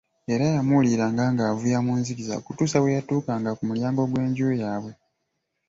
Era yamuwuliranga ng'avuya mu nzikiza, okutuusa bwe yatuukanga ku mulyango gw'enju yaabwe.